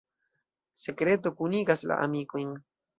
Sekreto kunigas la amikojn.